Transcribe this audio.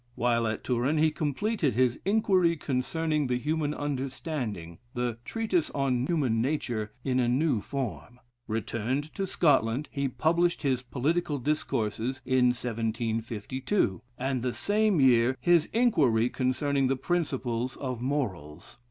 While at Turin he completed his "Inquiry Concerning the Human Understanding," the "Treatise on Human Nature" in a new form. Returned to Scotland, he published his "Political Discourses" in 1752, and the same year his "Inquiry Concerning the Principles of Morals."